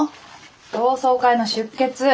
同窓会の出欠。